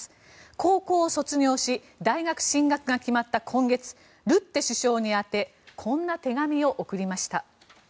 高校を卒業し大学進学が決まった今月ルッテ首相に宛てこんな手紙を送りました。